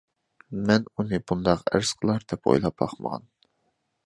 مەن ئۇنى بۇنداق ئەرز قىلار دەپ ئويلاپ باقمىغان.